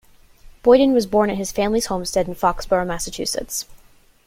Boyden was born at his family's homestead in Foxboro, Massachusetts.